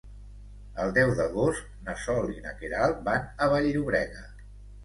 El deu d'agost na Sol i na Queralt van a Vall-llobrega.